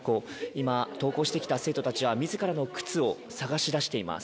今、登校してきた生徒たちは、自らの靴を、探し出しています。